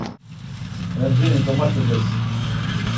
Benzini domaçodes.